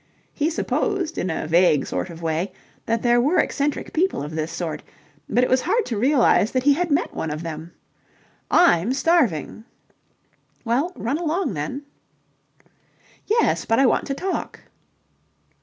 He supposed in a vague sort of way that there were eccentric people of this sort, but it was hard to realize that he had met one of them. "I'm starving." "Well, run along then." "Yes, but I want to talk..."